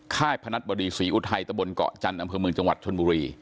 ค่ายพนัฐบริษฐรีอุไทยตะบลเกาะจันทร์อำเภอเมืองจังหวัดฯชนบุรี